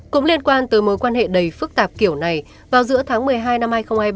cũng liên quan tới mối quan hệ đầy phức tạp kiểu này vào giữa tháng một mươi hai năm hai nghìn hai mươi